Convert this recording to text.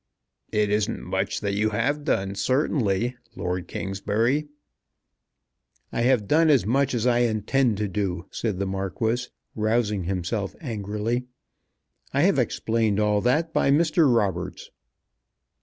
"It isn't much that you have done, certainly, Lord Kingsbury." "I have done as much as I intend to do," said the Marquis, rousing himself angrily. "I have explained all that by Mr. Roberts."